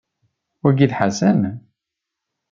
Wagi d Ḥasan?